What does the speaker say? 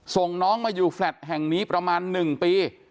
ส่งน้องมาอยู่แฟลต์แห่งนี้ประมาณ๑ปี